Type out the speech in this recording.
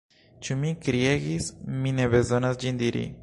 Ĉu mi kriegis, mi ne bezonas ĝin diri.